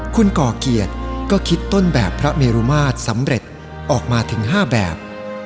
คุณก่อเกียรติก็คิดต้นแบบพระเมรุมาตรสำเร็จออกมาถึง๕แบบ